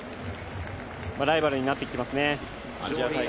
ライバルになってきます。